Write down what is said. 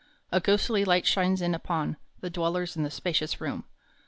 A ghostly light shines in upon The dwellers in this spacious room.